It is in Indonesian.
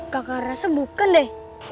kakak rasa bukan deh